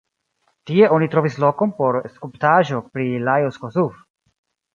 Tie oni trovis lokon por skulptaĵo pri Lajos Kossuth.